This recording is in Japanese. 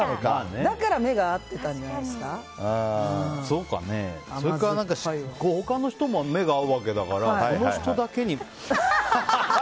だから目が合ったんじゃそれから、他の人も目が合うわけだからその人だけに。